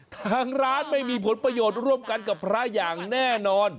ทางร้านไม่มีผลประโยชน์ร่วมกันกับพระอย่างแน่นอน